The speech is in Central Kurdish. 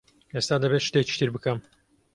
ئێستا دەبێت شتێکی تر بکەم.